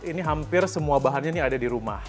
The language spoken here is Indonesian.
ini hampir semua bahannya ini ada di rumah